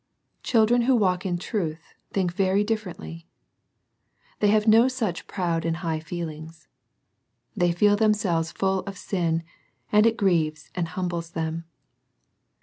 Children who walk in truth think very differently. They have no such proud and high feelings. They feel themselves full of sin, and it grieves and humbles them.